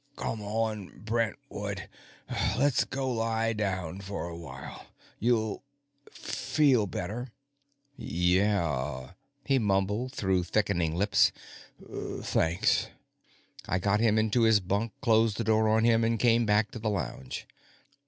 "Come on, Brentwood; let's go lie down for a while. You'll feel better." "Yeah," he mumbled through thickening lips. "Thanks." I got him into his bunk, closed the door on him, and came back to the lounge.